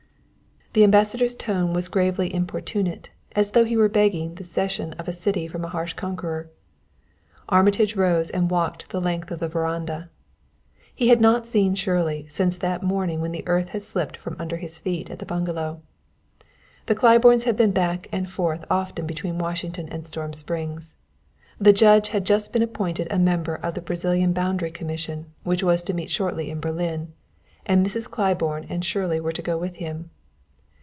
The Ambassador's tone was as gravely importunate as though he were begging the cession of a city from a harsh conqueror. Armitage rose and walked the length of the veranda. He had not seen Shirley since that morning when the earth had slipped from under his feet at the bungalow. The Claibornes had been back and forth often between Washington and Storm Springs. The Judge had just been appointed a member of the Brazilian boundary commission which was to meet shortly in Berlin, and Mrs. Claiborne and Shirley were to go with him.